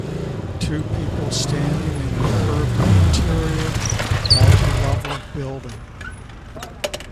Two people standing in a curved interior, multilevel building.